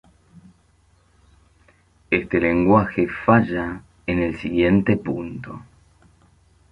Este lenguaje falla en el siguiente punto.